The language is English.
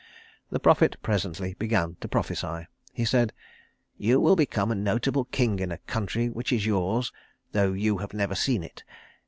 The prophet presently began to prophesy. He said, "You will become a notable king in a country which is yours, though you have never seen it.